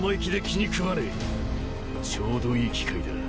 ちょうどいい機会だ。